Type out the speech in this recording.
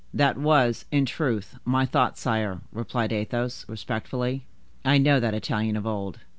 "That was, in truth, my thought, sire," replied Athos, respectfully; "I know that Italian of old."